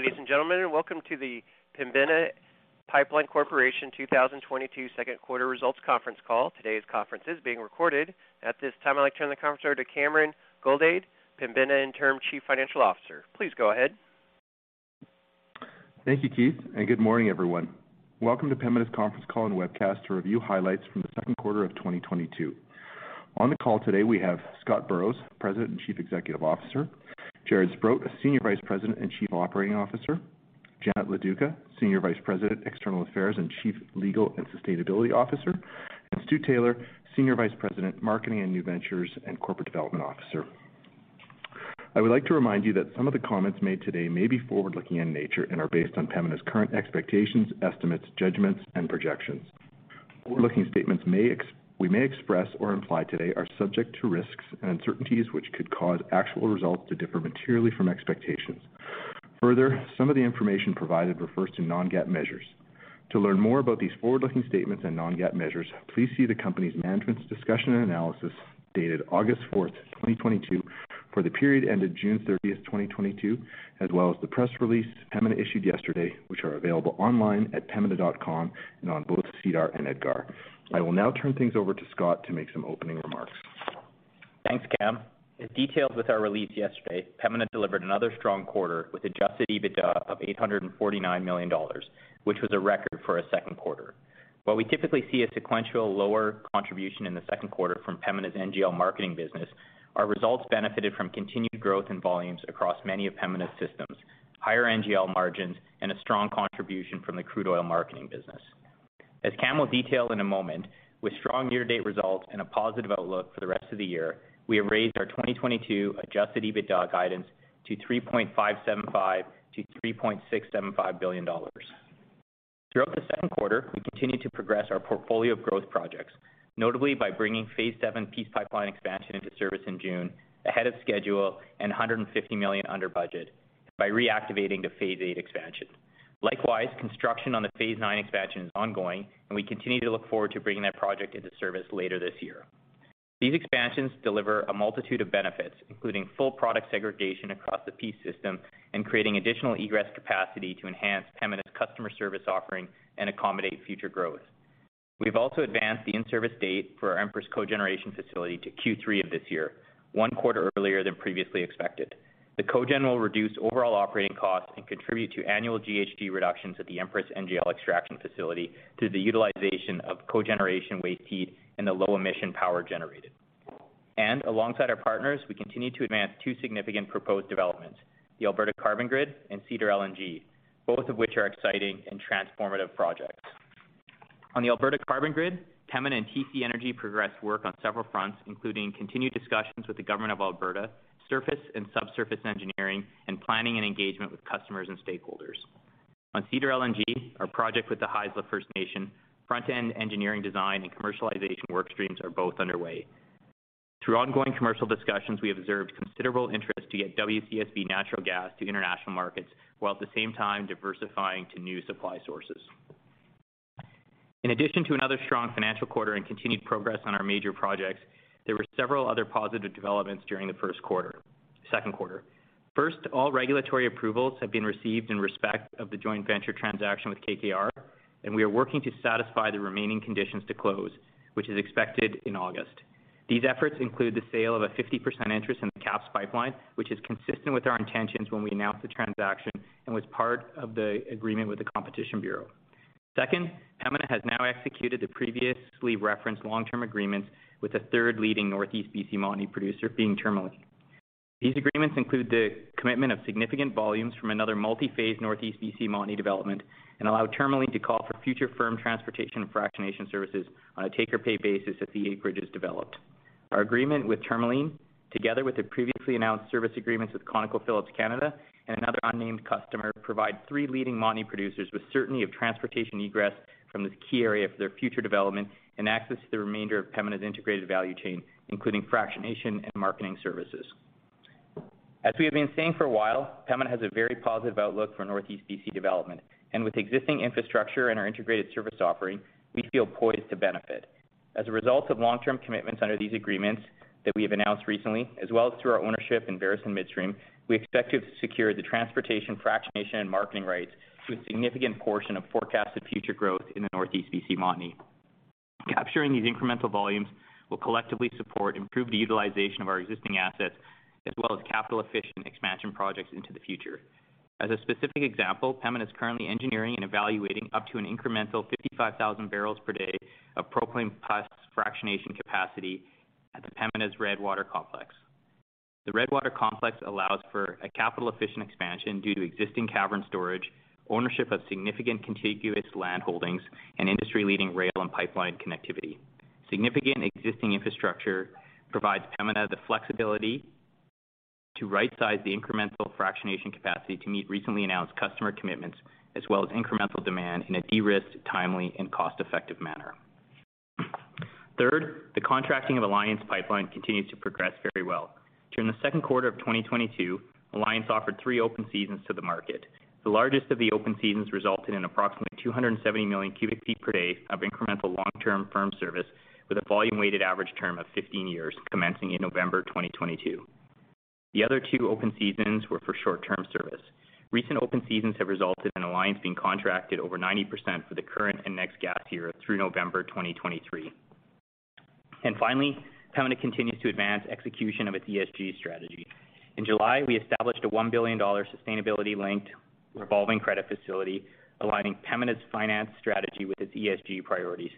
Good day, ladies and gentlemen, and welcome to the Pembina Pipeline Corporation 2022 second quarter results conference call. Today's conference is being recorded. At this time, I'd like to turn the conference over to Cameron Goldade, Interim Chief Financial Officer, Pembina Pipeline. Please go ahead. Thank you, Keith, and good morning, everyone. Welcome to Pembina's conference call and webcast to review highlights from the second quarter of 2022. On the call today, we have Scott Burrows, President and Chief Executive Officer, Jaret Sprott, Senior Vice President and Chief Operating Officer, Janet Loduca, Senior Vice President, External Affairs and Chief Legal and Sustainability Officer, and Stu Taylor, Senior Vice President, Marketing and New Ventures and Corporate Development Officer. I would like to remind you that some of the comments made today may be forward-looking in nature and are based on Pembina's current expectations, estimates, judgments, and projections. Forward-looking statements we may express or imply today are subject to risks and uncertainties which could cause actual results to differ materially from expectations. Further, some of the information provided refers to non-GAAP measures. To learn more about these forward-looking statements and non-GAAP measures, please see the company's Management's Discussion and Analysis dated August 4th, 2022, for the period ended June 30th, 2022, as well as the press release Pembina issued yesterday, which are available online at pembina.com and on both SEDAR and EDGAR. I will now turn things over to Scott to make some opening remarks. Thanks, Cam. As detailed with our release yesterday, Pembina delivered another strong quarter with adjusted EBITDA of 849 million dollars, which was a record for a second quarter. While we typically see a sequential lower contribution in the second quarter from Pembina's NGL marketing business, our results benefited from continued growth in volumes across many of Pembina's systems, higher NGL margins, and a strong contribution from the crude oil marketing business. As Cam will detail in a moment, with strong year-to-date results and a positive outlook for the rest of the year, we have raised our 2022 adjusted EBITDA guidance to 3.575 billion-3.675 billion dollars. Throughout the second quarter, we continued to progress our portfolio of growth projects, notably by bringing phase VII Peace Pipeline expansion into service in June, ahead of schedule and 150 million under budget by reactivating the phase VIII expansion. Likewise, construction on the phase IX expansion is ongoing, and we continue to look forward to bringing that project into service later this year. These expansions deliver a multitude of benefits, including full product segregation across the Peace system and creating additional egress capacity to enhance Pembina's customer service offering and accommodate future growth. We've also advanced the in-service date for our Empress cogeneration facility to Q3 of this year, one quarter earlier than previously expected. The cogen will reduce overall operating costs and contribute to annual GHG reductions at the Empress NGL extraction facility through the utilization of cogeneration waste heat and the low-emission power generated. Alongside our partners, we continue to advance two significant proposed developments, the Alberta Carbon Grid and Cedar LNG, both of which are exciting and transformative projects. On the Alberta Carbon Grid, Pembina and TC Energy progressed work on several fronts, including continued discussions with the government of Alberta, surface and subsurface engineering, and planning and engagement with customers and stakeholders. On Cedar LNG, our project with the Haisla First Nation, front-end engineering design and commercialization work streams are both underway. Through ongoing commercial discussions, we have observed considerable interest to get WCSB natural gas to international markets, while at the same time diversifying to new supply sources. In addition to another strong financial quarter and continued progress on our major projects, there were several other positive developments during the second quarter. First, all regulatory approvals have been received in respect of the joint venture transaction with KKR, and we are working to satisfy the remaining conditions to close, which is expected in August. These efforts include the sale of a 50% interest in the CAPS Pipeline, which is consistent with our intentions when we announced the transaction and was part of the agreement with the Competition Bureau. Second, Pembina has now executed the previously referenced long-term agreements with a third leading Northeast B.C. Montney producer, being Tourmaline. These agreements include the commitment of significant volumes from another multi-phase Northeast B.C. Montney development and allow Tourmaline to call for future firm transportation and fractionation services on a take-or-pay basis if the acreage is developed. Our agreement with Tourmaline, together with the previously announced service agreements with ConocoPhillips Canada and another unnamed customer, provide three leading Montney producers with certainty of transportation egress from this key area for their future development and access to the remainder of Pembina's integrated value chain, including fractionation and marketing services. As we have been saying for a while, Pembina has a very positive outlook for Northeast B.C. Development. With existing infrastructure and our integrated service offering, we feel poised to benefit. As a result of long-term commitments under these agreements that we have announced recently, as well as through our ownership in Veresen Midstream, we expect to have secured the transportation, fractionation, and marketing rights to a significant portion of forecasted future growth in the Northeast B.C. Montney. Capturing these incremental volumes will collectively support improved utilization of our existing assets, as well as capital-efficient expansion projects into the future. As a specific example, Pembina is currently engineering and evaluating up to an incremental 55,000 barrels per day of propane plus fractionation capacity at Pembina's Redwater complex. The Redwater complex allows for a capital-efficient expansion due to existing cavern storage, ownership of significant contiguous land holdings, and industry-leading rail and pipeline connectivity. Significant existing infrastructure provides Pembina the flexibility to right-size the incremental fractionation capacity to meet recently announced customer commitments, as well as incremental demand in a de-risked, timely, and cost-effective manner. Third, the contracting of Alliance Pipeline continues to progress very well. During the second quarter of 2022, Alliance offered three open seasons to the market. The largest of the open seasons resulted in approximately 270 million cubic feet per day of incremental long-term firm service with a volume-weighted average term of 15 years, commencing in November 2022. The other two open seasons were for short term service. Recent open seasons have resulted in Alliance being contracted over 90% for the current and next gas year through November 2023. Finally, Pembina continues to advance execution of its ESG strategy. In July, we established a 1 billion dollar sustainability-linked revolving credit facility, aligning Pembina's finance strategy with its ESG priorities.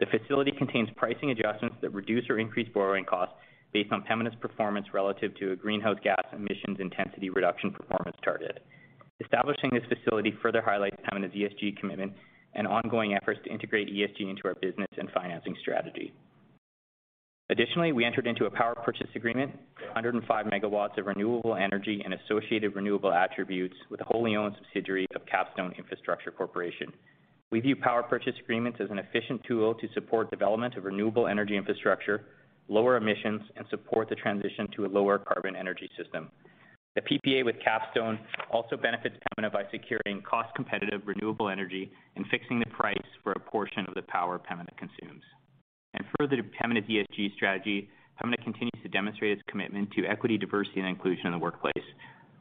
The facility contains pricing adjustments that reduce or increase borrowing costs based on Pembina's performance relative to a greenhouse gas emissions intensity reduction performance target. Establishing this facility further highlights Pembina's ESG commitment and ongoing efforts to integrate ESG into our business and financing strategy. Additionally, we entered into a power purchase agreement, 105 MW of renewable energy and associated renewable attributes with a wholly owned subsidiary of Capstone Infrastructure Corporation. We view power purchase agreements as an efficient tool to support development of renewable energy infrastructure, lower emissions, and support the transition to a lower carbon energy system. The PPA with Capstone also benefits Pembina by securing cost-competitive, renewable energy and fixing the price for a portion of the power Pembina consumes. Further to Pembina's ESG strategy, Pembina continues to demonstrate its commitment to equity, diversity, and inclusion in the workplace.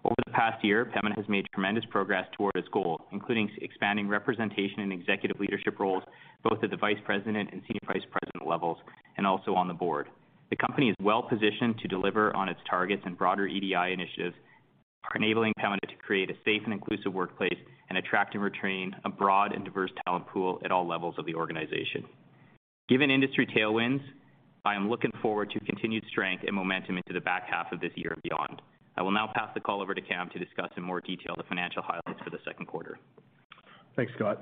Over the past year, Pembina has made tremendous progress toward its goal, including expanding representation in executive leadership roles, both at the vice president and senior vice president levels, and also on the board. The company is well-positioned to deliver on its targets, and broader EDI initiatives are enabling Pembina to create a safe and inclusive workplace and attract and retain a broad and diverse talent pool at all levels of the organization. Given industry tailwinds, I am looking forward to continued strength and momentum into the back half of this year and beyond. I will now pass the call over to Cam to discuss in more detail the financial highlights for the second quarter. Thanks, Scott.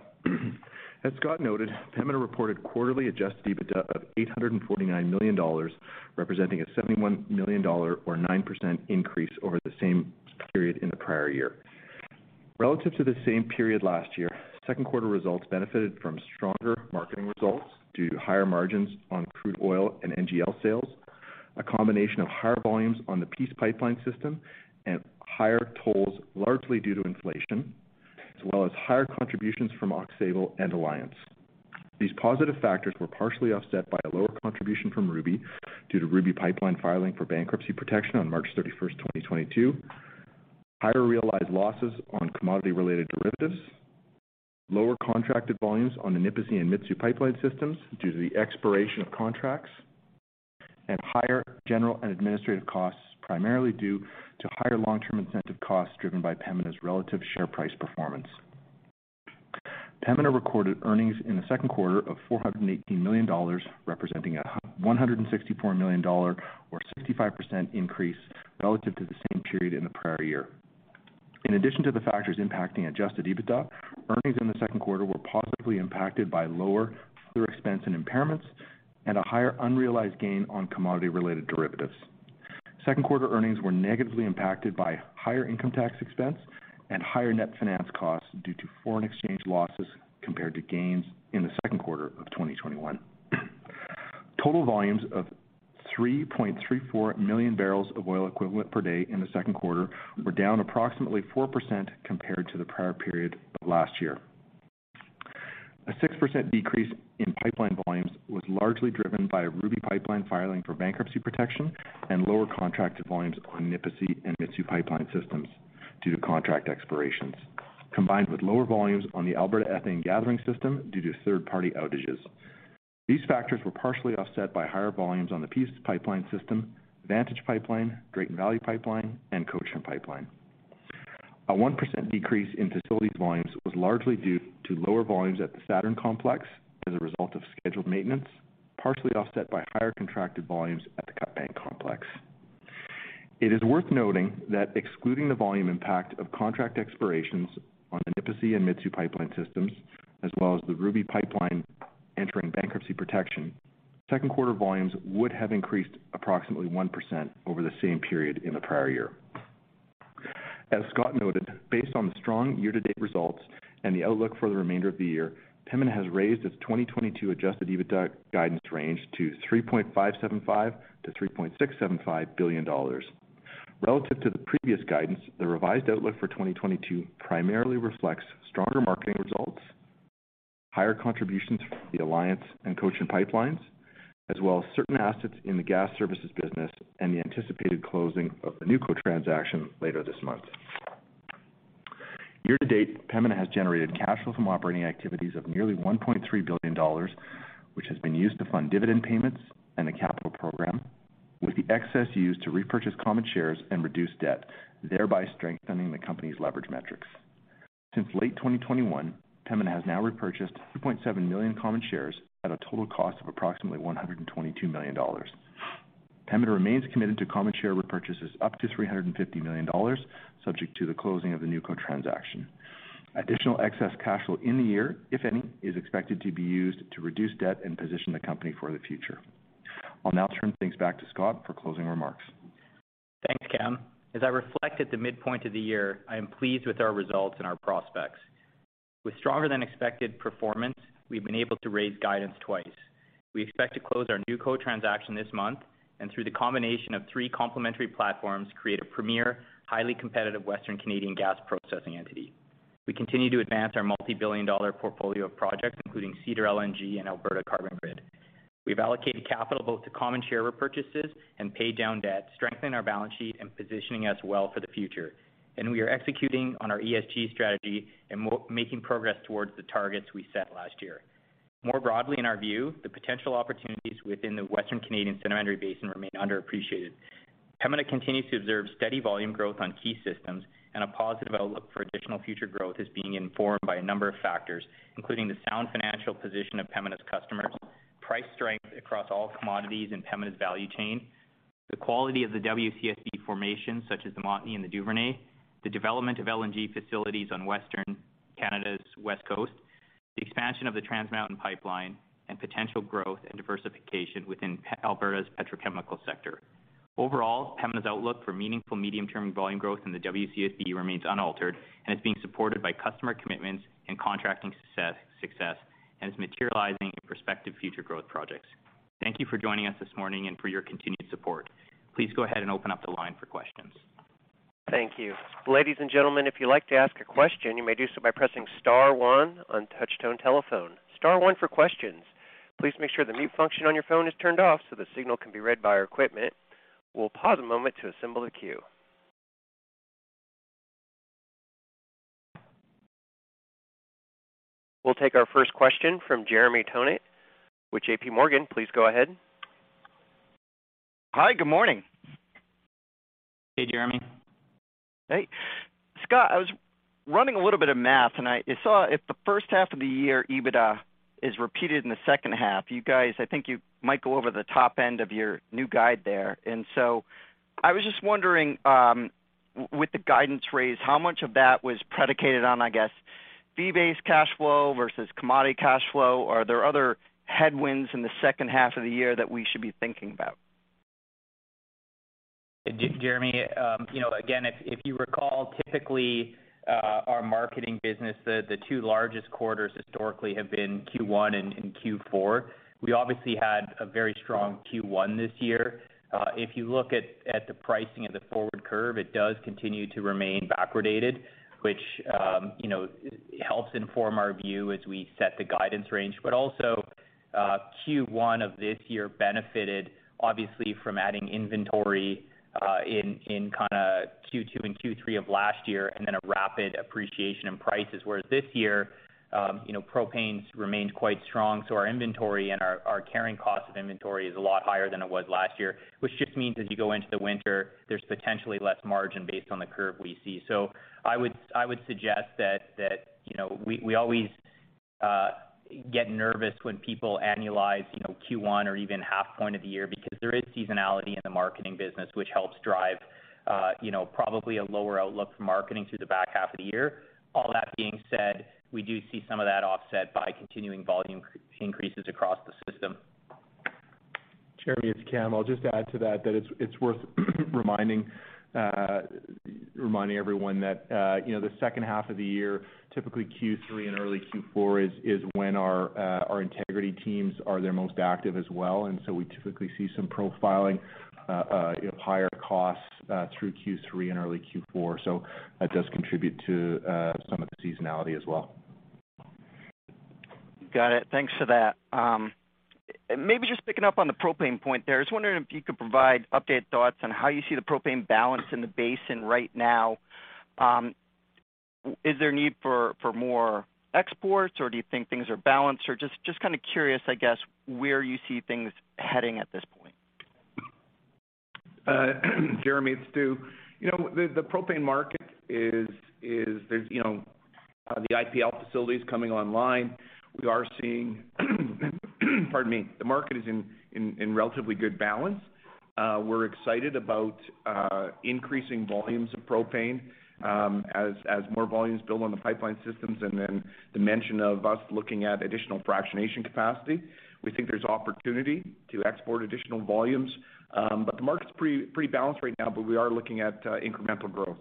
As Scott noted, Pembina reported quarterly adjusted EBITDA of 849 million dollars, representing a 71 million dollar or 9% increase over the same period in the prior year. Relative to the same period last year, second quarter results benefited from stronger marketing results due to higher margins on crude oil and NGL sales, a combination of higher volumes on the Peace Pipeline system and higher tolls, largely due to inflation, as well as higher contributions from Aux Sable and Alliance. These positive factors were partially offset by a lower contribution from Ruby due to Ruby Pipeline filing for bankruptcy protection on March 31st, 2022. Higher realized losses on commodity-related derivatives, lower contracted volumes on the Nipisi and Mitsue pipeline systems due to the expiration of contracts, and higher general and administrative costs, primarily due to higher long-term incentive costs driven by Pembina's relative share price performance. Pembina recorded earnings in the second quarter of 418 million dollars, representing a 164 million dollar or 65% increase relative to the same period in the prior year. In addition to the factors impacting adjusted EBITDA, earnings in the second quarter were positively impacted by lower further expense and impairments and a higher unrealized gain on commodity-related derivatives. Second quarter earnings were negatively impacted by higher income tax expense and higher net finance costs due to foreign exchange losses compared to gains in the second quarter of 2021. Total volumes of 3.34 million barrels of oil equivalent per day in the second quarter were down approximately 4% compared to the prior period of last year. A 6% decrease in pipeline volumes was largely driven by Ruby Pipeline filing for bankruptcy protection and lower contracted volumes on Nipisi and Mitsue pipeline systems due to contract expirations, combined with lower volumes on the Alberta Ethane Gathering System due to third-party outages. These factors were partially offset by higher volumes on the Peace Pipeline system, Vantage Pipeline, Drayton Valley Pipeline, and Cochin Pipeline. A 1% decrease in facilities volumes was largely due to lower volumes at the Saturn complex as a result of scheduled maintenance, partially offset by higher contracted volumes at the CutBank Complex. It is worth noting that excluding the volume impact of contract expirations on Nipisi and Mitsue pipeline systems, as well as the Ruby Pipeline entering bankruptcy protection, second quarter volumes would have increased approximately 1% over the same period in the prior year. As Scott noted, based on the strong year-to-date results and the outlook for the remainder of the year, Pembina has raised its 2022 adjusted EBITDA guidance range to 3.575 billion-3.675 billion dollars. Relative to the previous guidance, the revised outlook for 2022 primarily reflects stronger marketing results, higher contributions from the Alliance and Cochin Pipelines, as well as certain assets in the gas services business and the anticipated closing of the NewCo transaction later this month. Year to date, Pembina has generated cash flow from operating activities of nearly 1.3 billion dollars, which has been used to fund dividend payments and the capital program, with the excess used to repurchase common shares and reduce debt, thereby strengthening the company's leverage metrics. Since late 2021, Pembina has now repurchased 2.7 million common shares at a total cost of approximately 122 million dollars. Pembina remains committed to common share repurchases up to 350 million dollars, subject to the closing of the NewCo transaction. Additional excess cash flow in the year, if any, is expected to be used to reduce debt and position the company for the future. I'll now turn things back to Scott for closing remarks. Thanks, Cam. As I reflect at the midpoint of the year, I am pleased with our results and our prospects. With stronger than expected performance, we've been able to raise guidance twice. We expect to close our NewCo transaction this month and, through the combination of three complementary platforms, create a premier, highly competitive Western Canadian gas processing entity. We continue to advance our multi-billion dollar portfolio of projects, including Cedar LNG and Alberta Carbon Grid. We've allocated capital both to common share repurchases and pay down debt, strengthening our balance sheet and positioning us well for the future. We are executing on our ESG strategy and making progress towards the targets we set last year. More broadly, in our view, the potential opportunities within the Western Canadian Sedimentary Basin remain underappreciated. Pembina continues to observe steady volume growth on key systems, and a positive outlook for additional future growth is being informed by a number of factors, including the sound financial position of Pembina's customers, price strength across all commodities in Pembina's value chain, the quality of the WCSB formations, such as the Montney and the Duvernay, the development of LNG facilities on Western Canada's west coast, the expansion of the Trans Mountain pipeline, and potential growth and diversification within Alberta's petrochemical sector. Overall, Pembina's outlook for meaningful medium-term volume growth in the WCSB remains unaltered and is being supported by customer commitments and contracting success, and is materializing in prospective future growth projects. Thank you for joining us this morning and for your continued support. Please go ahead and open up the line for questions. Thank you. Ladies and gentlemen, if you'd like to ask a question, you may do so by pressing star one on touch-tone telephone. Star one for questions. Please make sure the mute function on your phone is turned off so the signal can be read by our equipment. We'll pause a moment to assemble the queue. We'll take our first question from Jeremy Tonet with JPMorgan. Please go ahead. Hi, good morning. Hey, Jeremy. Hey. Scott, I was running a little bit of math, and I saw if the first half of the year EBITDA is repeated in the second half, you guys, I think you might go over the top end of your new guide there. I was just wondering, with the guidance raise, how much of that was predicated on, I guess, fee-based cash flow versus commodity cash flow? Or are there other headwinds in the second half of the year that we should be thinking about? Jeremy, you know, again, if you recall, typically, our marketing business, the two largest quarters historically have been Q1 and Q4. We obviously had a very strong Q1 this year. If you look at the pricing of the forward curve, it does continue to remain backwardated, which you know, helps inform our view as we set the guidance range. Also, Q1 of this year benefited obviously from adding inventory in kinda Q2 and Q3 of last year, and then a rapid appreciation in prices, whereas this year, you know, propane's remained quite strong, so our inventory and our carrying cost of inventory is a lot higher than it was last year, which just means as you go into the winter, there's potentially less margin based on the curve we see. I would suggest that, you know, we always get nervous when people annualize, you know, Q1 or even half point of the year because there is seasonality in the marketing business, which helps drive, you know, probably a lower outlook for marketing through the back half of the year. All that being said, we do see some of that offset by continuing volume increases across the system. Jeremy, it's Cam. I'll just add to that it's worth reminding everyone that, you know, the second half of the year, typically Q3 and early Q4, is when our integrity teams are at their most active as well. We typically see some profiling, you know, higher costs, through Q3 and early Q4. That does contribute to some of the seasonality as well. Got it. Thanks for that. Maybe just picking up on the propane point there. I was wondering if you could provide updated thoughts on how you see the propane balance in the basin right now. Is there a need for more exports, or do you think things are balanced? Or just kind of curious, I guess, where you see things heading at this point. Jeremy, it's Stu. You know, there's the IPL facilities coming online. We are seeing, pardon me, the market is in relatively good balance. We're excited about increasing volumes of propane, as more volumes build on the pipeline systems and then the mention of us looking at additional fractionation capacity. We think there's opportunity to export additional volumes. The market's pretty balanced right now, but we are looking at incremental growth.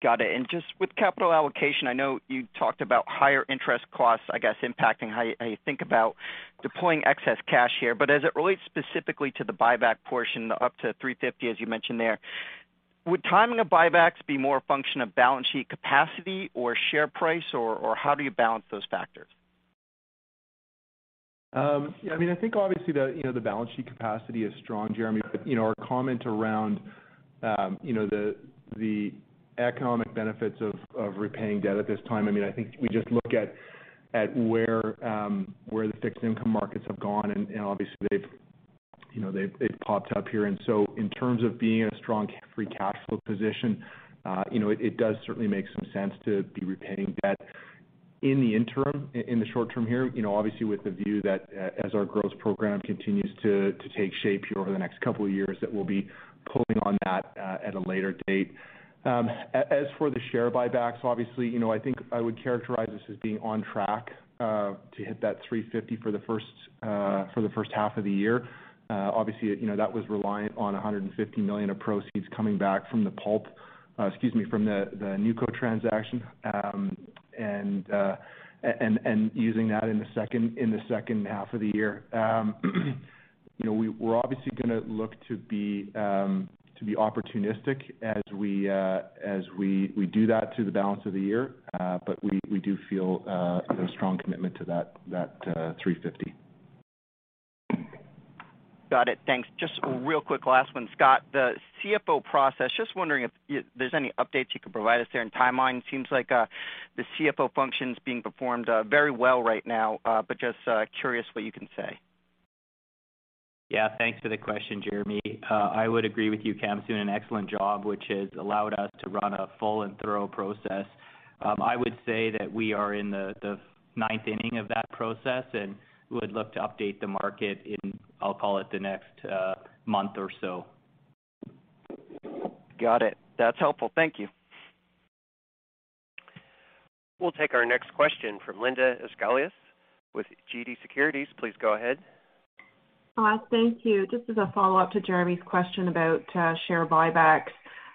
Got it. Just with capital allocation, I know you talked about higher interest costs, I guess, impacting how you think about deploying excess cash here. As it relates specifically to the buyback portion, up to 350 million, as you mentioned there, would timing of buybacks be more a function of balance sheet capacity or share price or how do you balance those factors? Yeah, I mean, I think obviously the balance sheet capacity is strong, Jeremy. You know, our comment around you know the economic benefits of repaying debt at this time, I mean, I think we just look at where the fixed income markets have gone and obviously they've you know they've popped up here. In terms of being in a strong free cash flow position, you know, it does certainly make some sense to be repaying debt in the interim, in the short term here, you know, obviously with the view that as our growth program continues to take shape here over the next couple of years, that we'll be pulling on that at a later date. As for the share buybacks, obviously, you know, I think I would characterize this as being on track to hit that 350 million for the first half of the year. Obviously, you know, that was reliant on 150 million of proceeds coming back from the NewCo transaction, and using that in the second half of the year. You know, we're obviously gonna look to be opportunistic as we do that through the balance of the year. We do feel a strong commitment to that 350. Got it. Thanks. Just a real quick last one, Scott. The CFO process, just wondering if there's any updates you could provide us there in timeline. Seems like the CFO function's being performed very well right now, but just curious what you can say. Yeah. Thanks for the question, Jeremy. I would agree with you. Cam's doing an excellent job, which has allowed us to run a full and thorough process. I would say that we are in the ninth inning of that process, and we would look to update the market in, I'll call it, the next month or so. Got it. That's helpful. Thank you. We'll take our next question from Linda Ezergailis with TD Securities. Please go ahead. Thank you. Just as a follow-up to Jeremy's question about share buybacks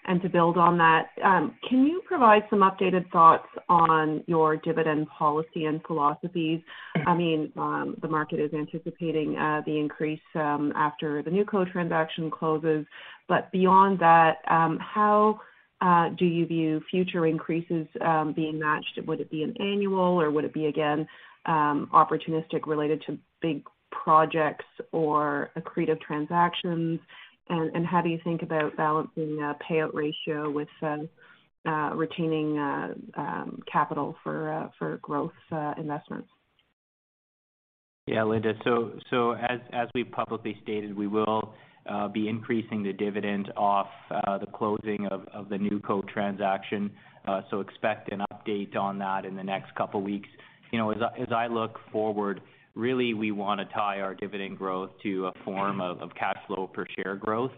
and to build on that, can you provide some updated thoughts on your dividend policy and philosophies? I mean, the market is anticipating the increase after the NewCo transaction closes. But beyond that, how do you view future increases being matched? Would it be an annual or would it be again opportunistic related to big projects or accretive transactions? And how do you think about balancing a payout ratio with retaining capital for growth investments? Yeah. Linda. As we've publicly stated, we will be increasing the dividend off the closing of the NewCo transaction. Expect an update on that in the next couple weeks. You know, as I look forward, really we want to tie our dividend growth to a form of cash flow per share growth.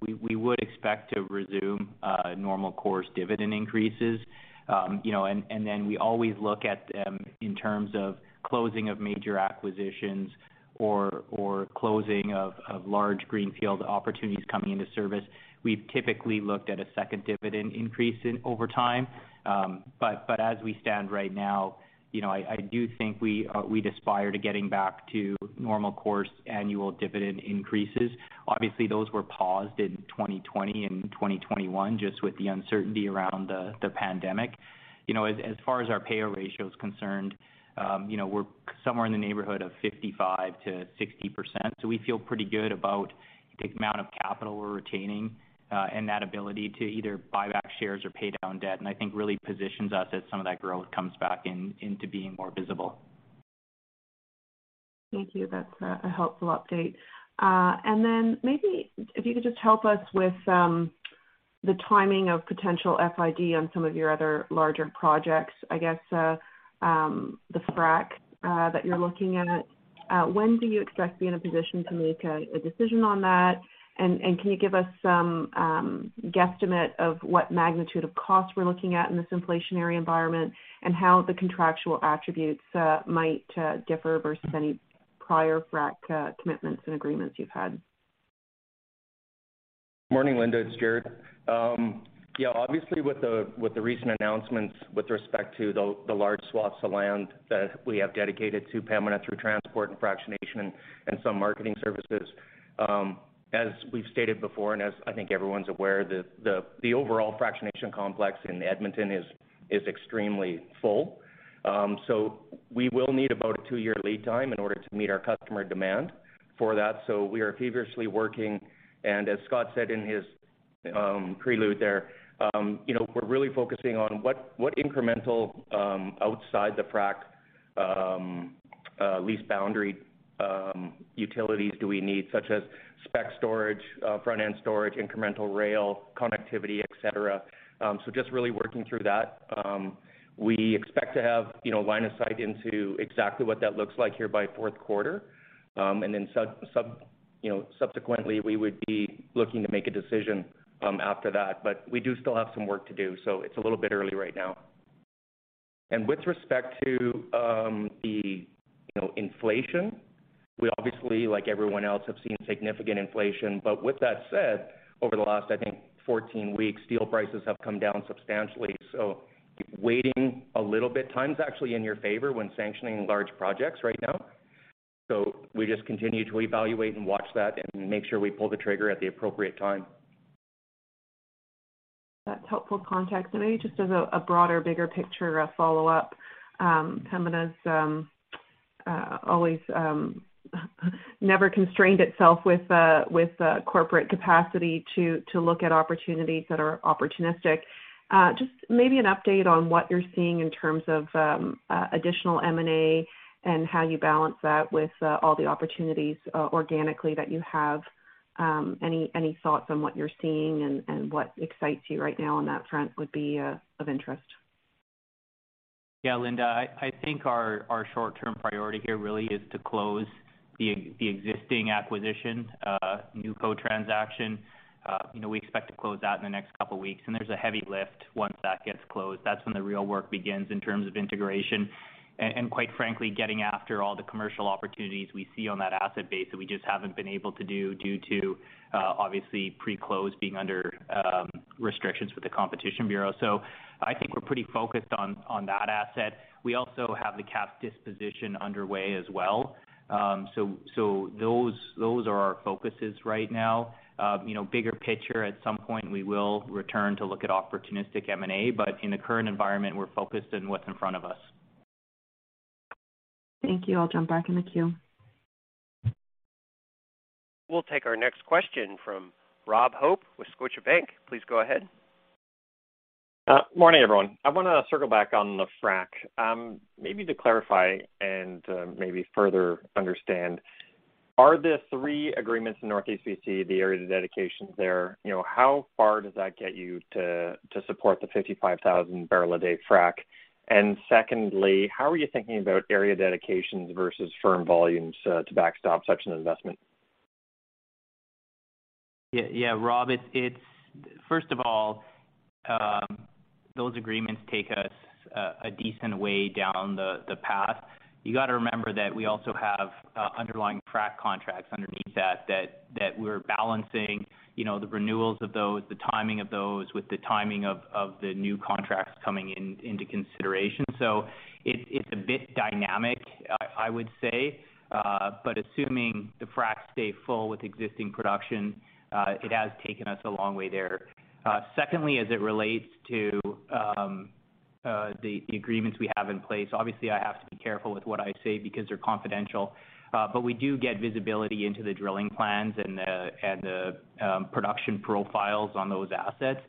We would expect to resume normal course dividend increases. You know, then we always look at in terms of closing of major acquisitions or closing of large greenfield opportunities coming into service. We've typically looked at a second dividend increase in over time. As we stand right now, you know, I do think we'd aspire to getting back to normal course annual dividend increases. Obviously, those were paused in 2020 and 2021 just with the uncertainty around the pandemic. You know, as far as our payout ratio is concerned, you know, we're somewhere in the neighborhood of 55%-60%. We feel pretty good about the amount of capital we're retaining, and that ability to either buy back shares or pay down debt, and I think really positions us as some of that growth comes back into being more visible. Thank you. That's a helpful update. Maybe if you could just help us with the timing of potential FID on some of your other larger projects, I guess, the frac that you're looking at. When do you expect to be in a position to make a decision on that? Can you give us some guesstimate of what magnitude of cost we're looking at in this inflationary environment, and how the contractual attributes might differ versus any prior frac commitments and agreements you've had? Morning, Linda. It's Jaret. Yeah, obviously with the recent announcements with respect to the large swaths of land that we have dedicated to Pembina through transport and fractionation and some marketing services, as we've stated before and as I think everyone's aware, the overall fractionation complex in Edmonton is extremely full. We will need about a two-year lead time in order to meet our customer demand for that. We are feverishly working, and as Scott Burrows said in his prelude there, you know, we're really focusing on what incremental outside the frac lease boundary utilities do we need such as spec storage, front-end storage, incremental rail connectivity, et cetera. Just really working through that. We expect to have, you know, line of sight into exactly what that looks like here by fourth quarter. Subsequently, we would be looking to make a decision after that. We do still have some work to do, so it's a little bit early right now. With respect to the inflation, you know, we obviously, like everyone else, have seen significant inflation. With that said, over the last, I think, 14 weeks, steel prices have come down substantially. Waiting a little bit. Time's actually in your favor when sanctioning large projects right now. We just continue to evaluate and watch that and make sure we pull the trigger at the appropriate time. That's helpful context. Maybe just as a broader, bigger picture, a follow-up. Pembina's always never constrained itself with corporate capacity to look at opportunities that are opportunistic. Just maybe an update on what you're seeing in terms of additional M&A and how you balance that with all the opportunities organically that you have. Any thoughts on what you're seeing and what excites you right now on that front would be of interest. Yeah. Linda, I think our short-term priority here really is to close the existing acquisition, the NewCo transaction. You know, we expect to close that in the next couple weeks, and there's a heavy lift once that gets closed. That's when the real work begins in terms of integration. Quite frankly, getting after all the commercial opportunities we see on that asset base that we just haven't been able to do due to obviously pre-close being under restrictions with the Competition Bureau. I think we're pretty focused on that asset. We also have the CAPS disposition underway as well. Those are our focuses right now. You know, bigger picture, at some point, we will return to look at opportunistic M&A, but in the current environment, we're focused on what's in front of us. Thank you. I'll jump back in the queue. We'll take our next question from Rob Hope with Scotiabank. Please go ahead. Morning, everyone. I wanna circle back on the frac. Maybe to clarify and maybe further understand, are the three agreements in Northeast B.C., the area of dedications there, you know, how far does that get you to support the 55,000 barrel a day frac? And secondly, how are you thinking about area dedications versus firm volumes to backstop such an investment? Yeah, Rob, it's. First of all, those agreements take us a decent way down the path. You gotta remember that we also have underlying frack contracts underneath that that we're balancing, you know, the renewals of those, the timing of those with the timing of the new contracts coming into consideration. It's a bit dynamic, I would say, but assuming the fracks stay full with existing production, it has taken us a long way there. Secondly, as it relates to the agreements we have in place, obviously, I have to be careful with what I say because they're confidential, but we do get visibility into the drilling plans and the production profiles on those assets.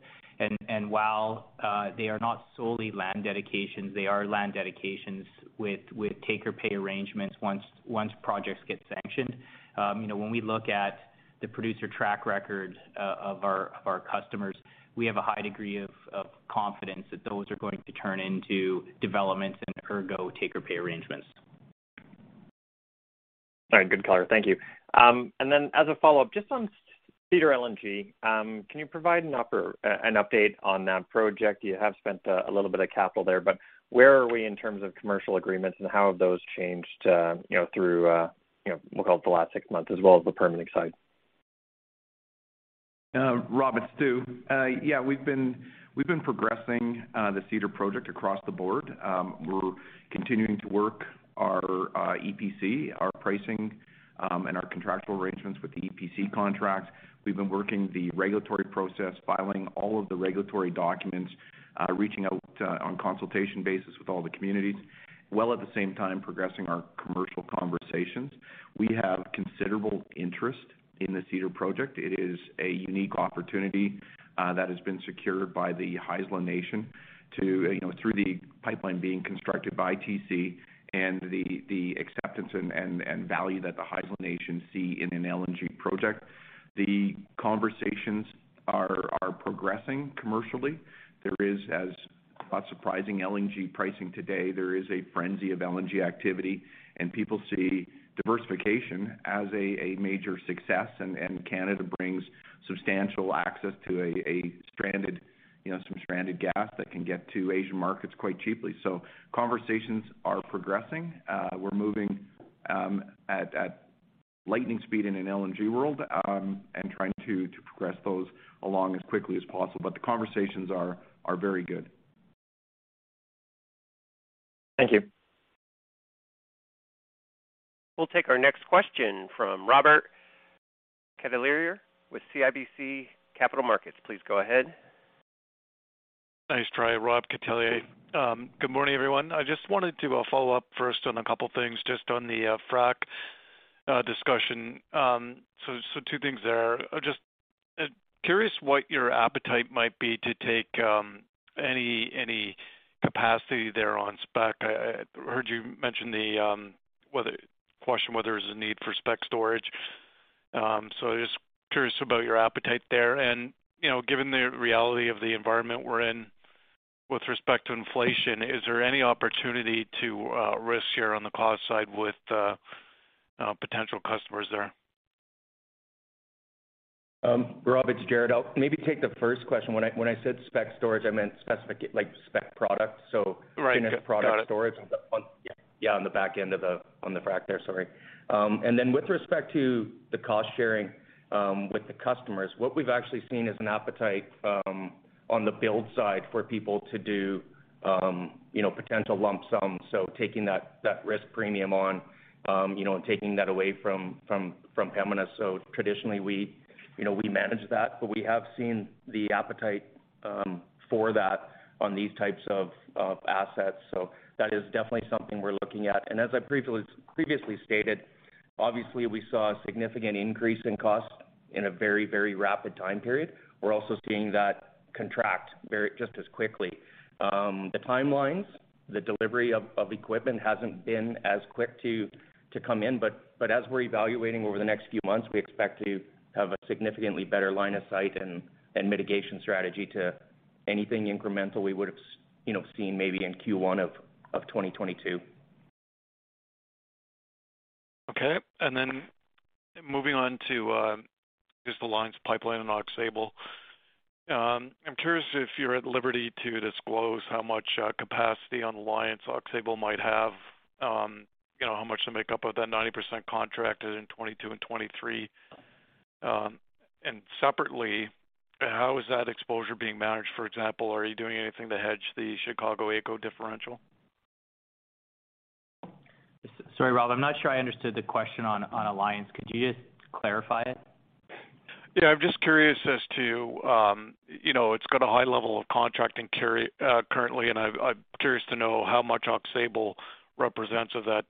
While they are not solely land dedications, they are land dedications with take-or-pay arrangements once projects get sanctioned. You know, when we look at the producer track record of our customers, we have a high degree of confidence that those are going to turn into developments and ergo take-or-pay arrangements. All right, good color. Thank you. As a follow-up, just on Cedar LNG, can you provide an update on that project? You have spent a little bit of capital there, but where are we in terms of commercial agreements and how have those changed, you know, through, you know, we'll call it the last six months as well as the permitting side? Rob, it's Stu. Yeah, we've been progressing the Cedar project across the board. We're continuing to work our EPC, our pricing, and our contractual arrangements with the EPC contracts. We've been working the regulatory process, filing all of the regulatory documents, reaching out on a consultation basis with all the communities, while at the same time progressing our commercial conversations. We have considerable interest in the Cedar project. It is a unique opportunity that has been secured by the Haisla Nation to, you know, through the pipeline being constructed by TC and the acceptance and value that the Haisla Nation see in an LNG project. The conversations are progressing commercially. There is, as is not surprising, LNG pricing today. There is a frenzy of LNG activity, and people see diversification as a major success, and Canada brings substantial access to a stranded, you know, some stranded gas that can get to Asian markets quite cheaply. Conversations are progressing. We're moving at lightning speed in an LNG world, and trying to progress those along as quickly as possible. The conversations are very good. Thank you. We'll take our next question from Robert Catellier with CIBC Capital Markets. Please go ahead. Thanks, Operator. Rob Catellier. Good morning, everyone. I just wanted to follow up first on a couple things just on the frack discussion. So two things there. Just curious what your appetite might be to take any capacity there on spec. I heard you mention the question whether there's a need for spec storage. Just curious about your appetite there. You know, given the reality of the environment we're in with respect to inflation, is there any opportunity to risk share on the cost side with potential customers there? Rob, it's Jaret. I'll maybe take the first question. When I said spec storage, I meant specific, like, spec products. Right. Finished product storage. Got it. Yeah, on the back end of the frac there, sorry. Then with respect to the cost-sharing with the customers, what we've actually seen is an appetite on the build side for people to do, you know, potential lump sums, so taking that risk premium on, you know, and taking that away from Pembina. Traditionally, we, you know, we manage that, but we have seen the appetite for that on these types of assets. That is definitely something we're looking at. As I previously stated, obviously we saw a significant increase in cost in a very, very rapid time period. We're also seeing that contract just as quickly. The timelines, the delivery of equipment hasn't been as quick to come in, but as we're evaluating over the next few months, we expect to have a significantly better line of sight and mitigation strategy to anything incremental we would've you know, seen maybe in Q1 of 2022. Okay. Moving on to just Alliance Pipeline and Aux Sable. I'm curious if you're at liberty to disclose how much capacity on Alliance Aux Sable might have, you know, how much to make up of that 90% contracted in 2022 and 2023. Separately, how is that exposure being managed? For example, are you doing anything to hedge the Chicago-AECO differential? Sorry, Rob, I'm not sure I understood the question on Alliance. Could you just clarify it? Yeah, I'm just curious as to you know, it's got a high level of contract and carry currently, and I'm curious to know how much Aux Sable represents of that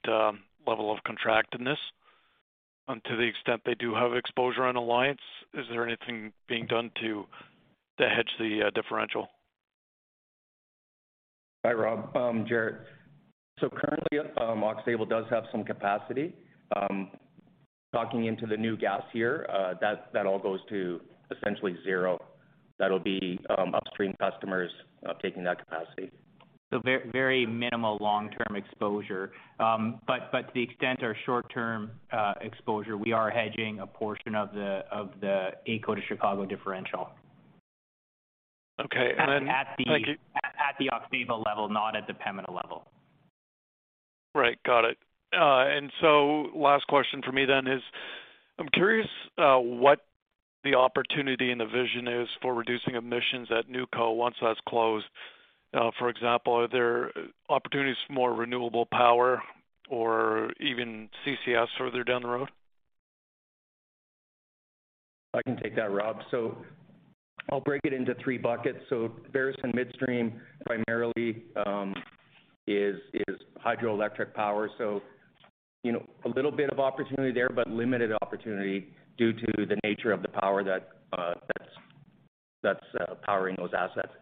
level of contractedness. To the extent they do have exposure on Alliance, is there anything being done to hedge the differential? Hi, Rob. Jaret. Currently, Aux Sable does have some capacity. Heading into the new gas year, that all goes to essentially zero. That'll be upstream customers taking that capacity. Very minimal long-term exposure. But to the extent our short-term exposure, we are hedging a portion of the AECO-Chicago differential. Okay. At the Aux Sable level, not at the Pembina level. Right. Got it. Last question for me then is, I'm curious, what the opportunity and the vision is for reducing emissions at NewCo once that's closed. For example, are there opportunities for more renewable power or even CCS further down the road? I can take that, Rob. I'll break it into three buckets. Veresen Midstream primarily is hydroelectric power. You know, a little bit of opportunity there, but limited opportunity due to the nature of the power that's powering those assets.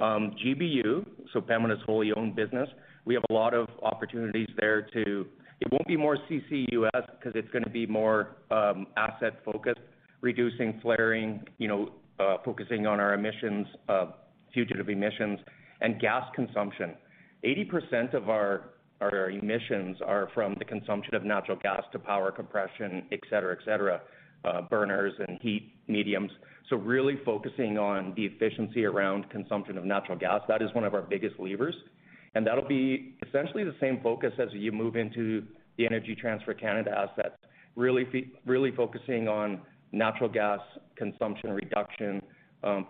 GBU, Pembina's wholly owned business, we have a lot of opportunities there. It won't be more CCUS, cause it's gonna be more asset-focused, reducing flaring, you know, focusing on our emissions, fugitive emissions and gas consumption. 80% of our emissions are from the consumption of natural gas to power compression, et cetera, et cetera, burners and heat mediums. Really focusing on the efficiency around consumption of natural gas, that is one of our biggest levers. That'll be essentially the same focus as you move into the Energy Transfer Canada assets. Really focusing on natural gas consumption reduction,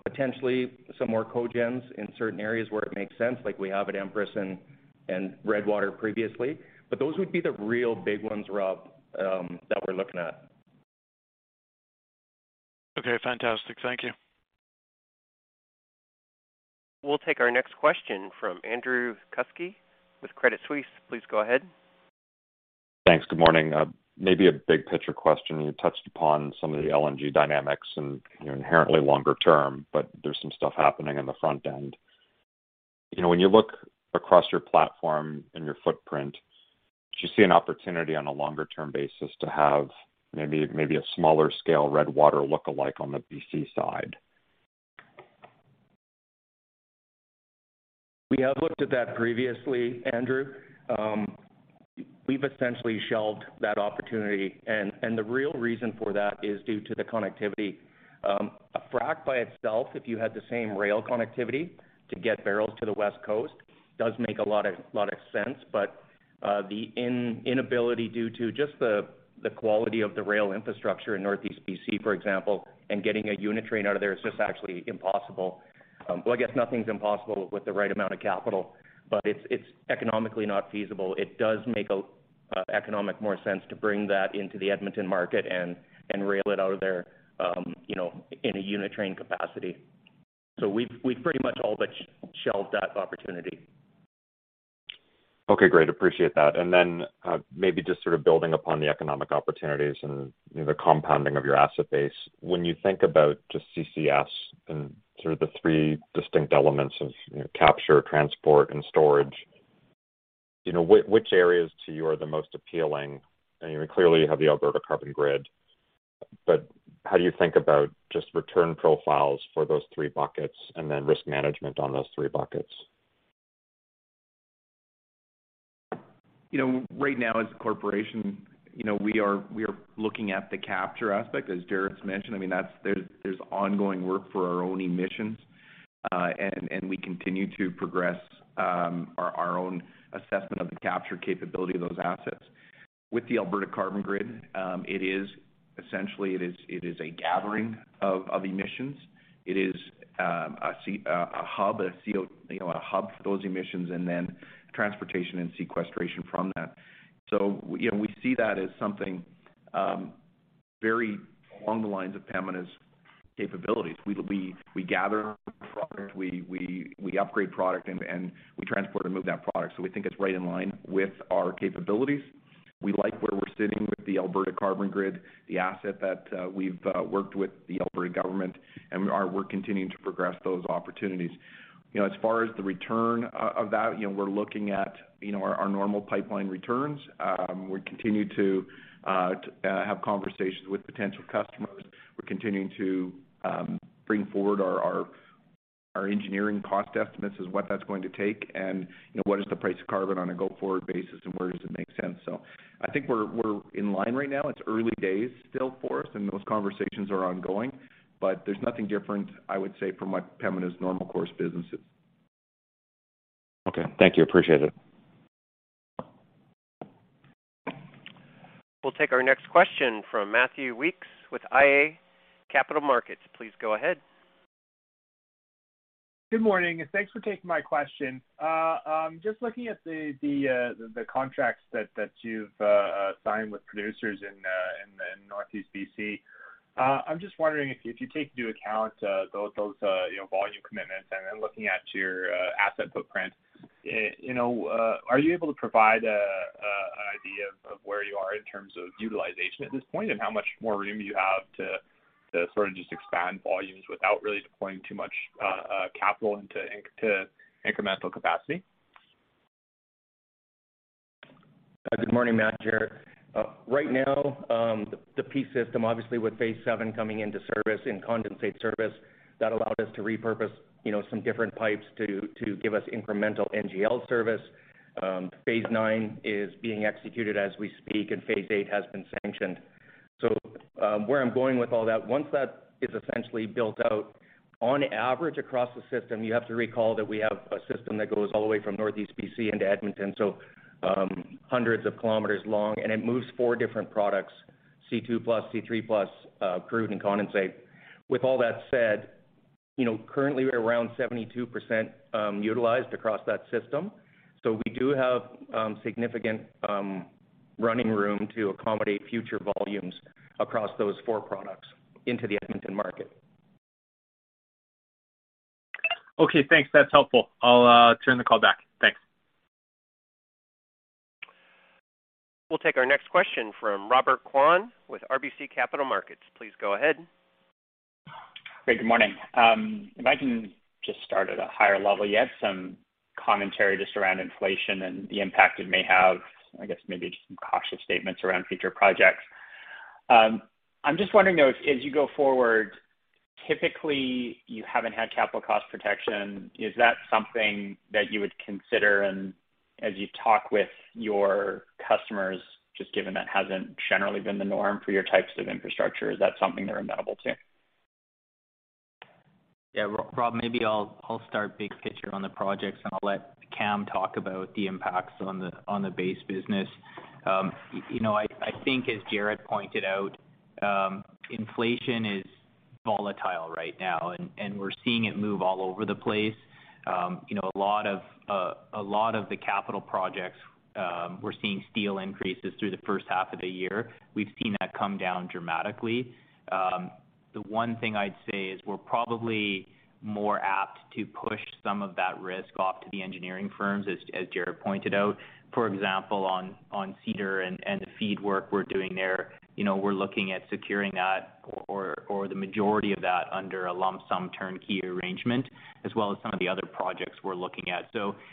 potentially some more cogens in certain areas where it makes sense, like we have at Empress and Redwater previously. Those would be the real big ones, Rob, that we're looking at. Okay. Fantastic. Thank you. We'll take our next question from Andrew Kuske with Credit Suisse. Please go ahead. Thanks. Good morning. Maybe a big picture question. You touched upon some of the LNG dynamics and, you know, inherently longer term, but there's some stuff happening in the front end. You know, when you look across your platform and your footprint, do you see an opportunity on a longer term basis to have maybe a smaller scale Redwater lookalike on the B.C. side? We have looked at that previously, Andrew. We've essentially shelved that opportunity, and the real reason for that is due to the connectivity. A frac by itself, if you had the same rail connectivity to get barrels to the West Coast, does make a lot of sense. But the inability due to just the quality of the rail infrastructure in Northeast B.C., for example, and getting a unit train out of there is just actually impossible. Well, I guess nothing's impossible with the right amount of capital, but it's economically not feasible. It does make more economic sense to bring that into the Edmonton market and rail it out of there, you know, in a unit train capacity. We've pretty much all but shelved that opportunity. Okay, great. Appreciate that. Maybe just sort of building upon the economic opportunities and, you know, the compounding of your asset base. When you think about just CCS and sort of the three distinct elements of, you know, capture, transport and storage, you know, which areas to you are the most appealing? I mean, clearly you have the Alberta Carbon Grid, but how do you think about just return profiles for those three buckets and then risk management on those three buckets? You know, right now as a corporation, you know, we are looking at the capture aspect, as Jaret's mentioned. I mean, there's ongoing work for our own emissions, and we continue to progress our own assessment of the capture capability of those assets. With the Alberta Carbon Grid, essentially it is a gathering of emissions. It is a hub, you know, for those emissions and then transportation and sequestration from that. So, you know, we see that as something very along the lines of Pembina's capabilities. We gather product, we upgrade product and we transport and move that product. So we think it's right in line with our capabilities. We like where we're sitting with the Alberta Carbon Grid, the asset that we've worked with the Alberta government, and our work continuing to progress those opportunities. You know, as far as the return of that, you know, we're looking at, you know, our normal pipeline returns. We continue to have conversations with potential customers. We're continuing to bring forward our Our engineering cost estimates is what that's going to take and, you know, what is the price of carbon on a go-forward basis and where does it make sense? I think we're in line right now. It's early days still for us, and those conversations are ongoing, but there's nothing different, I would say, from what Pembina's normal course business is. Okay. Thank you. Appreciate it. We'll take our next question from Matthew Weekes with iA Capital Markets. Please go ahead. Good morning, and thanks for taking my question. Just looking at the contracts that you've signed with producers in Northeast B.C., I'm just wondering if you take into account those volume commitments and then looking at your asset footprint, you know, are you able to provide an idea of where you are in terms of utilization at this point and how much more room you have to sort of just expand volumes without really deploying too much capital into incremental capacity? Good morning, Matthew and Jaret. Right now, the Peace system, obviously with phase VII coming into service, in condensate service, that allowed us to repurpose, you know, some different pipes to give us incremental NGL service. phase IX is being executed as we speak, and phase VIII has been sanctioned. Where I'm going with all that, once that is essentially built out, on average across the system, you have to recall that we have a system that goes all the way from Northeast B.C. into Edmonton, so, hundreds of kilometers long, and it moves four different products, C2+, C3+, crude and condensate. With all that said, you know, currently we're around 72%, utilized across that system, so we do have significant running room to accommodate future volumes across those four products into the Edmonton market. Okay, thanks. That's helpful. I'll turn the call back. Thanks. We'll take our next question from Robert Kwan with RBC Capital Markets. Please go ahead. Great. Good morning. If I can just start at a higher level. You had some commentary just around inflation and the impact it may have, and I guess maybe just some cautious statements around future projects. I'm just wondering, though, as you go forward, typically, you haven't had capital cost protection. Is that something that you would consider and as you talk with your customers, just given that hasn't generally been the norm for your types of infrastructure, is that something they're amenable to? Yeah. Rob, maybe I'll start big picture on the projects, and I'll let Cam talk about the impacts on the base business. You know, I think as Jaret pointed out, inflation is volatile right now and we're seeing it move all over the place. You know, a lot of the capital projects, we're seeing steel increases through the first half of the year. We've seen that come down dramatically. The one thing I'd say is we're probably more apt to push some of that risk off to the engineering firms, as Jaret pointed out. For example, on Cedar and the FEED work we're doing there. You know, we're looking at securing that or the majority of that under a lump sum turnkey arrangement, as well as some of the other projects we're looking at.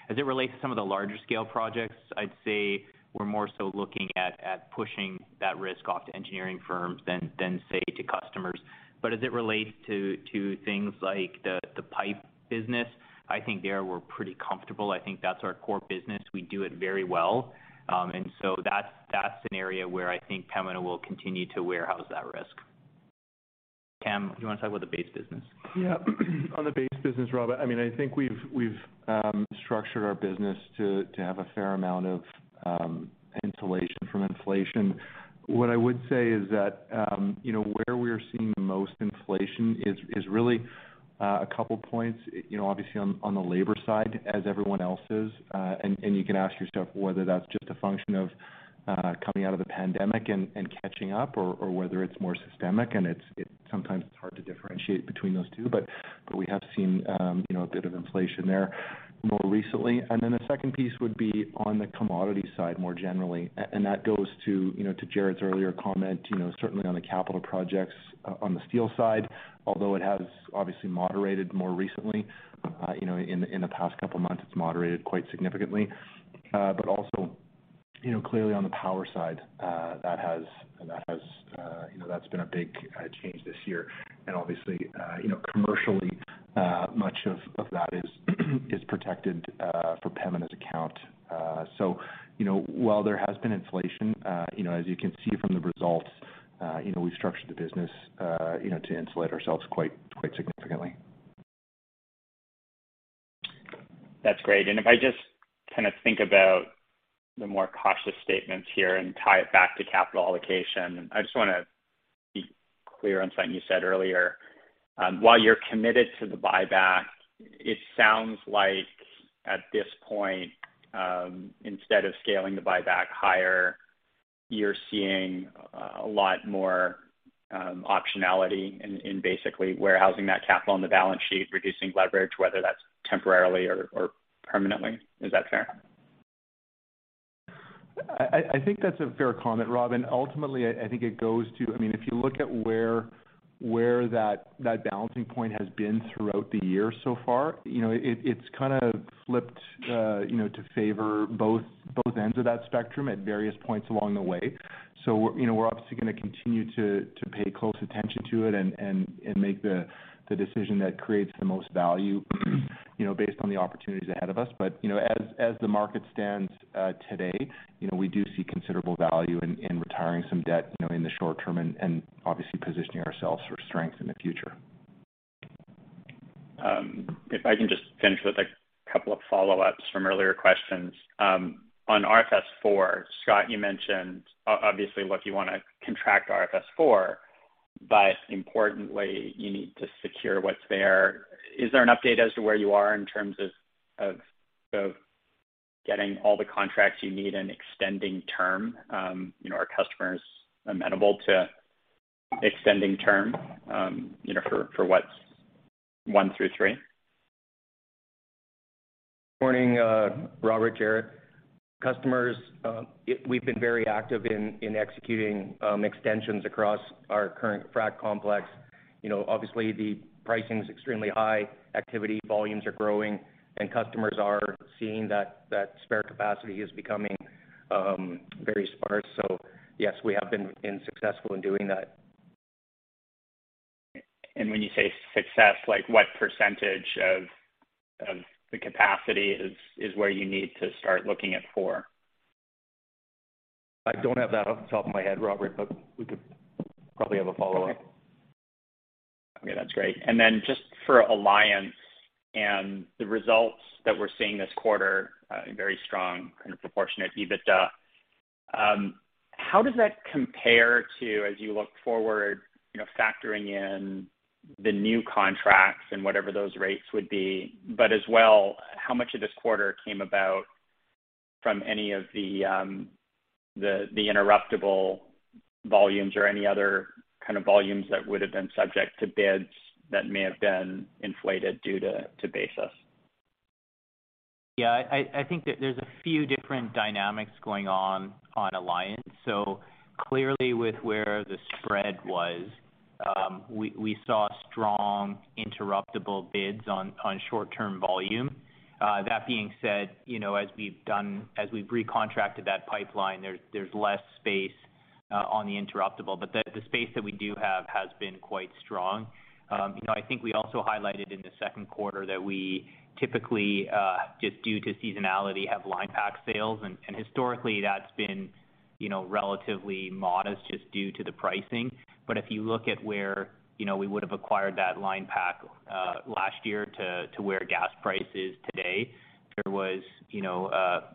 As it relates to some of the larger scale projects, I'd say we're more so looking at pushing that risk off to engineering firms than say to customers. As it relates to things like the pipe business, I think there we're pretty comfortable. I think that's our core business. We do it very well. That's an area where I think Pembina will continue to warehouse that risk. Cam, do you wanna talk about the base business? Yeah. On the base business, Robert, I mean, I think we've structured our business to have a fair amount of insulation from inflation. What I would say is that, you know, where we're seeing the most inflation is really a couple points, you know, obviously on the labor side as everyone else is. You can ask yourself whether that's just a function of coming out of the pandemic and catching up or whether it's more systemic and it's sometimes hard to differentiate between those two. We have seen, you know, a bit of inflation there more recently. The second piece would be on the commodity side more generally. That goes to, you know, Jaret's earlier comment, you know, certainly on the capital projects on the steel side, although it has obviously moderated more recently, you know, in the past couple of months, it's moderated quite significantly. Also, you know, clearly on the power side, that has you know, that's been a big change this year. Obviously, you know, commercially, much of that is protected for Pembina's account. You know, while there has been inflation, you know, as you can see from the results, you know, we've structured the business, you know, to insulate ourselves quite significantly. That's great. If I just kinda think about the more cautious statements here and tie it back to capital allocation, I just wanna be clear on something you said earlier. While you're committed to the buyback, it sounds like at this point, instead of scaling the buyback higher, you're seeing a lot more optionality in basically warehousing that capital on the balance sheet, reducing leverage, whether that's temporarily or permanently. Is that fair? I think that's a fair comment, Rob. Ultimately, I think it goes to, I mean, if you look at where that balancing point has been throughout the year so far, you know, it's kinda flipped, you know, to favor both ends of that spectrum at various points along the way. We're obviously gonna continue to pay close attention to it and make the decision that creates the most value, you know, based on the opportunities ahead of us. You know, as the market stands today, you know, we do see considerable value in retiring some debt, you know, in the short term and obviously positioning ourselves for strength in the future. If I can just finish with a couple of follow-ups from earlier questions. On RFS IV, Scott, you mentioned obviously, look, you wanna contract RFS IV, but importantly, you need to secure what's there. Is there an update as to where you are in terms of getting all the contracts you need and extending term? You know, are customers amenable to extending term, you know, for what's one through three? Morning, Robert here. Customers, we've been very active in executing extensions across our current frac complex. You know, obviously the pricing's extremely high. Activity volumes are growing and customers are seeing that spare capacity is becoming very sparse. Yes, we have been successful in doing that. When you say success, like what percentage of the capacity is where you need to start looking at IV? I don't have that off the top of my head, Robert, but we could probably have a follow-up. Okay. Yeah, that's great. Just for Alliance and the results that we're seeing this quarter, very strong kind of proportionate EBITDA. How does that compare to as you look forward, you know, factoring in the new contracts and whatever those rates would be, but as well, how much of this quarter came about from any of the interruptible volumes or any other kind of volumes that would've been subject to bids that may have been inflated due to basis? Yeah, I think that there's a few different dynamics going on on Alliance. Clearly with where the spread was, we saw strong interruptible bids on short-term volume. That being said, you know, as we've recontracted that pipeline, there's less space on the interruptible. But the space that we do have has been quite strong. You know, I think we also highlighted in the second quarter that we typically just due to seasonality have line pack sales. Historically that's been you know relatively modest just due to the pricing. But if you look at where you know we would've acquired that line pack last year to where gas price is today, there was you know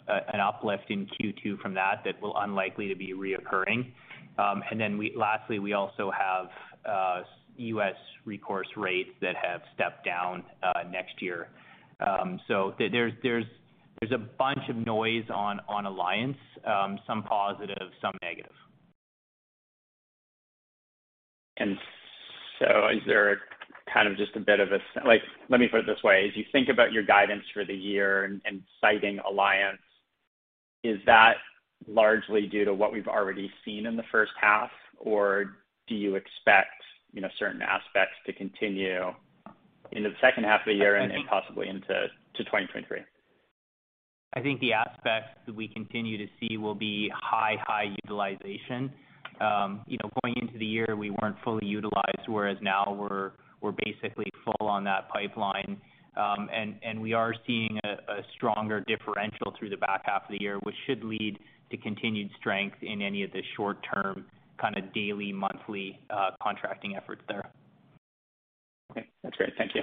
an uplift in Q2 from that that will unlikely to be recurring. Lastly, we also have U.S. recourse rates that have stepped down next year. There's a bunch of noise on Alliance, some positive, some negative. Is there kind of just a bit of a like, let me put it this way. As you think about your guidance for the year and citing Alliance, is that largely due to what we've already seen in the first half? Or do you expect, you know, certain aspects to continue in the second half of the year and possibly into 2023? I think the aspects that we continue to see will be high utilization. You know, going into the year, we weren't fully utilized, whereas now we're basically full on that pipeline. We are seeing a stronger differential through the back half of the year, which should lead to continued strength in any of the short term, kinda daily, monthly, contracting efforts there. Okay. That's great. Thank you.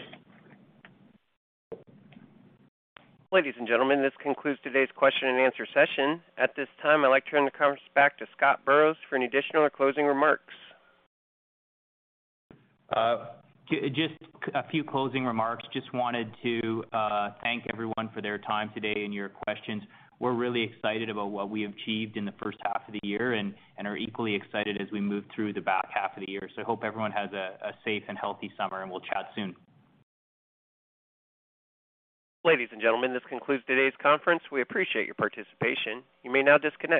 Ladies and gentlemen, this concludes today's question and answer session. At this time, I'd like to turn the conference back to Scott Burrows for any additional or closing remarks. Just a few closing remarks. Just wanted to thank everyone for their time today and your questions. We're really excited about what we achieved in the first half of the year and are equally excited as we move through the back half of the year. Hope everyone has a safe and healthy summer, and we'll chat soon. Ladies and gentlemen, this concludes today's conference. We appreciate your participation. You may now disconnect.